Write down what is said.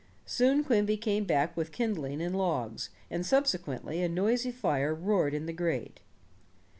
Soon Quimby came back with kindling and logs, and subsequently a noisy fire roared in the grate.